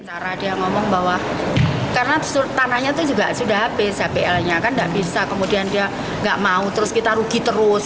cara dia ngomong bahwa karena tanahnya itu juga sudah habis hpl nya kan nggak bisa kemudian dia nggak mau terus kita rugi terus